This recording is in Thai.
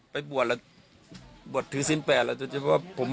ไปบวชบวชถือซิ้นแปดแล้ว